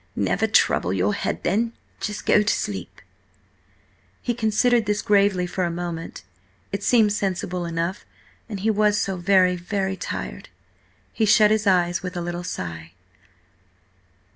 "Never trouble your head then. Just go to sleep." He considered this gravely for a moment. It seemed sensible enough, and he was so very, very tired. He shut his eyes with a little sigh.